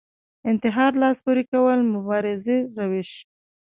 انتحار لاس پورې کول مبارزې روش